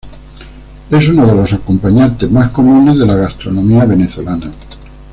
Es uno de los acompañantes más comunes de la gastronomía venezolana.